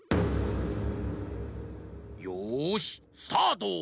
よしスタート！